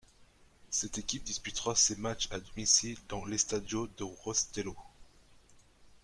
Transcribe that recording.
Cette équipe disputera ses matches à domicile dans l'Estádio do Restelo.